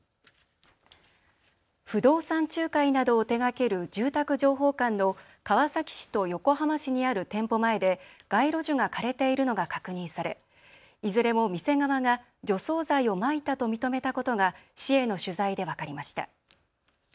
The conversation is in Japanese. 不動産仲介などを手がける住宅情報館の川崎市と横浜市にある店舗前で街路樹が枯れているのが確認され、いずれも店側が除草剤をまいたと認めたことが市への取材で分かりました。